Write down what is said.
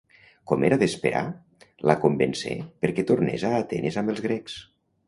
Com era d'esperar, la convencé perquè tornés a Atenes amb els grecs.